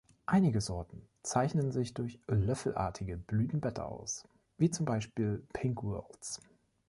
Einige Sorten zeichnen sich durch „löffelartige“ Blütenblätter aus, wie zum Beispiel „Pink Whirls“.